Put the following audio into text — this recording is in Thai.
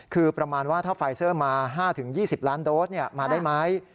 คือประมาณว่าถ้าไฟเซอร์มา๕๒๐ล้านโดสมาได้ไหม